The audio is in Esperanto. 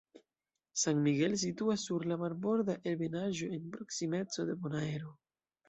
San Miguel situas sur la marborda ebenaĵo en proksimeco de Bonaero.